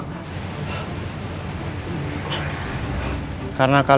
kita semua gak tau rumah pak iqbal